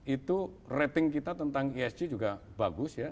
itu rating kita tentang esg juga bagus ya